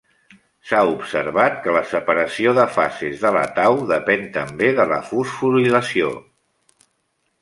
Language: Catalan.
S'ha observat que la separació de fases de la tau depèn també de la fosforilació.